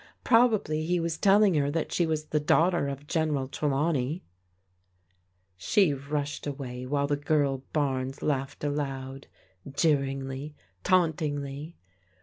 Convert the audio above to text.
Probably he was telling her that she was the daughter of General Trelawney. She rushed away while the girl Barnes laughed aloud: — ^jeeringly, tauntingly.